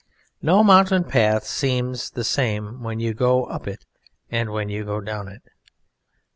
No mountain path seems the same when you go up it and when you go down it.